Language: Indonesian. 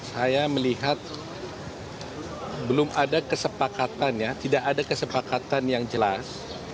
saya melihat belum ada kesepakatan ya tidak ada kesepakatan yang jelas